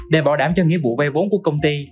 để bảo đảm cho nghĩa vụ vay vốn của công ty